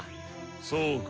そうか。